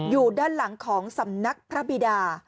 อยู่ด้านหลังของสำนักพระบิดา